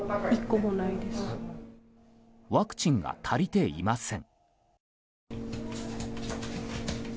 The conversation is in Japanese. ワクチンが足りていません。